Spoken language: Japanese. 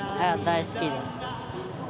大好きです。